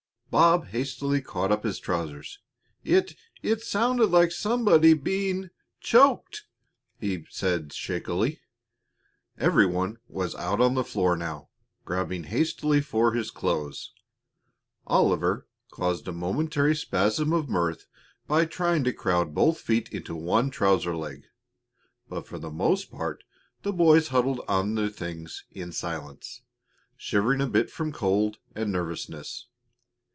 Bob hastily caught up his trousers. "It it sounded like somebody being choked," he said shakily. Every one was out on the floor now, grabbing hastily for his clothes. Oliver caused a momentary spasm of mirth by trying to crowd both feet into one trouser leg, but for the most part the boys huddled on their things in silence, shivering a bit from cold and nervousness.